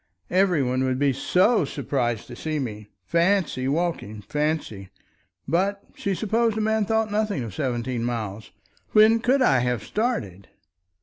Every one would be so surprised to see me. Fancy walking! Fancy! But she supposed a man thought nothing of seventeen miles. When could I have started!